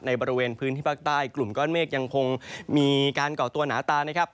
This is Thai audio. บริเวณพื้นที่ภาคใต้กลุ่มก้อนเมฆยังคงมีการก่อตัวหนาตานะครับ